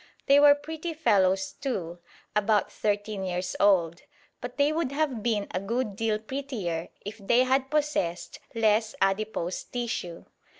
They were pretty fellows, too, about thirteen years old; but they would have been a good deal prettier if they had possessed less adipose tissue.